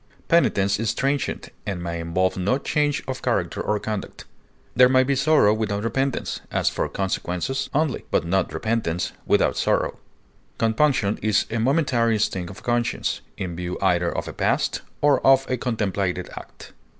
Penitence is transient, and may involve no change of character or conduct. There may be sorrow without repentance, as for consequences only, but not repentance without sorrow. Compunction is a momentary sting of conscience, in view either of a past or of a contemplated act.